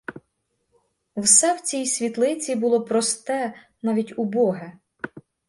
Все в цій світлиці було просте, навіть убоге.